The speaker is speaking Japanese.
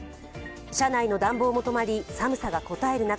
車内の暖房も止まり寒さがこたえる中